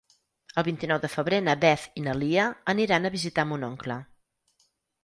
El vint-i-nou de febrer na Beth i na Lia aniran a visitar mon oncle.